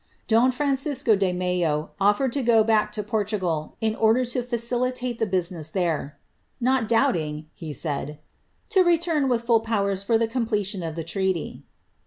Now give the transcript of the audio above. ^ *rancisco de Mello ofiered to go back to Portugal, in onler to the business there, ^ not doubting," he said, ^ to return with srs for the completion of the treaty."